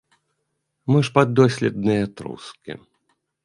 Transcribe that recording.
Мы ж паддоследныя трускі.